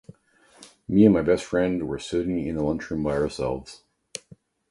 Me and my best friend were sitting in the lunchroom by ourselves.